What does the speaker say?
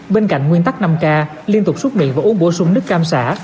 bên cạnh nguyên tắc năm k liên tục xuất miệng và uống bổ sung nước cam xả